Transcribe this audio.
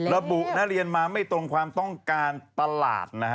ระบุนักเรียนมาไม่ตรงความต้องการตลาดนะฮะ